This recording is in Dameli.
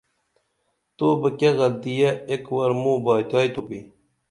تو بہ کیہ غلطیہ ایک ور موں بائتائی تُھوپی